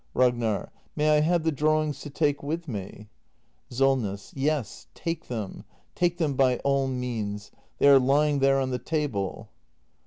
Ragnar. May I have the drawings to take with me ? Solness. Yes, take them — take them by all means! They are lying there on the table.